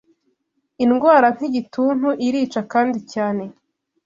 indwara nk’igituntu irica kandi cyane